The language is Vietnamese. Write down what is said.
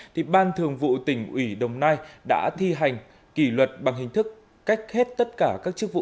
thì ban thường vụ tỉnh ủy đồng nai đã thi hành kỷ luật bằng hình thức cách hết tất cả các chức vụ